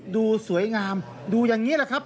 ดูสวยงามดูอย่างนี้แหละครับ